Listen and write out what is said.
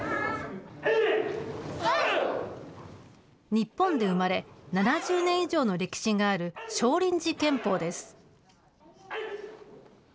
日本で生まれ、７０年以上の歴史がある少林寺拳法です。